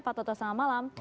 pak toto selamat malam